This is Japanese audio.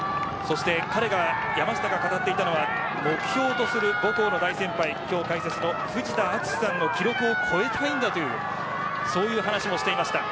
山下が語っていたのは目標とする母校の大先輩今日解説の藤田敦史さんの記録を超えたいという話もしていました。